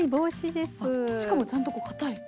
しかもちゃんとかたい。